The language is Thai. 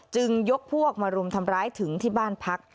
ยกพวกมารุมทำร้ายถึงที่บ้านพัก